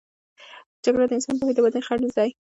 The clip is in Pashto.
جګړه د انساني پوهې د ودې خنډ دی.